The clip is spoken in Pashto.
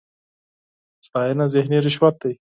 ستاېنه ذهني رشوت دی.